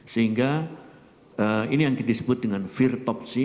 sehingga ini yang disebut dengan virtopsi